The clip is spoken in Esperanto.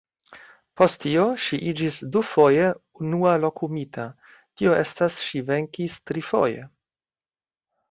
Post tio, ŝi iĝis dufoje unua-lokumita, tio estas ŝi venkis trifoje!